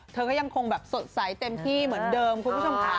เธอก็ยังคงแบบสดใสเต็มที่เหมือนเดิมคุณผู้ชมค่ะ